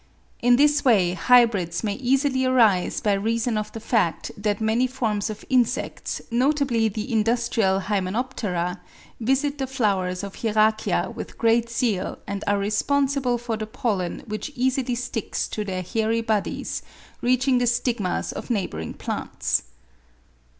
In this way hybrids may easily arise by reason of the fact that many forms of insects, notably the industrial Hymenoptera, visit the flowers of Hieracia with great zeal and are responsible for the pollen which easily sticks to their hairy bodies reaching the stigmas of neighbouring plants.